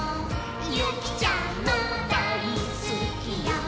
「ゆきちゃんもだいすきよ」